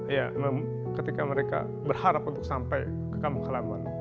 ya ketika mereka berharap untuk sampai ke kamengkalan